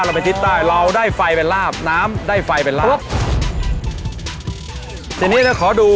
เราไปทิศใต้เราได้ไฟเป็นลาบน้ำได้ไฟเป็นลาบทีนี้ก็ขอดู